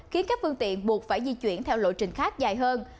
khiến các phương tiện buộc phải di chuyển theo lộ trình khác dài hơn